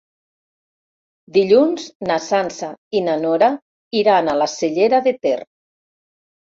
Dilluns na Sança i na Nora iran a la Cellera de Ter.